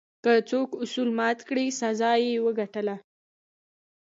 که څوک اصول مات کړل، سزا یې وګټله.